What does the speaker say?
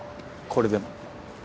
これでも。